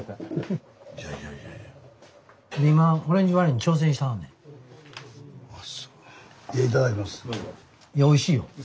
いやおいしいよ。